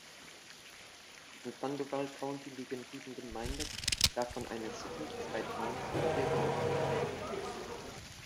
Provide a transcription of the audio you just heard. Im Sandoval County liegen sieben Gemeinden, davon eine "City", zwei "Towns" und vier "Villages".